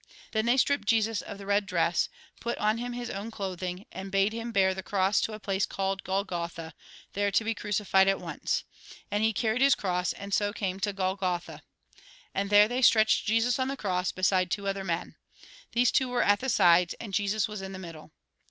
Then they stripped Jesus of the red dress, put on him his own clothing, and bade him bear the cross to a place called Golgotha, there to be cruci fied at once. And he carried his cross, and so came to Golgotha. And there they stretched Jesus on the cross, beside two other men. These two were at the sides, and Jesus was in the middle.